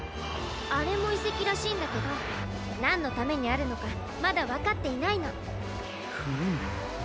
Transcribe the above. あれもいせきらしいんだけどなんのためにあるのかまだわかっていないの。フム。